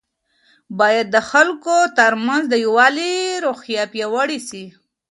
باید د خلګو ترمنځ د یووالي روحیه پیاوړې سي.